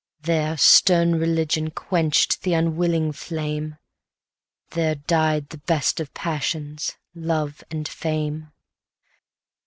There stern religion quench'd the unwilling flame, There died the best of passions, Love and Fame.